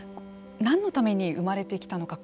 何のために生まれてきたのか